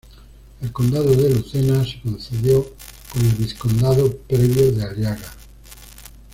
El Condado de Lucena, se concedió con el vizcondado previo de "Aliaga".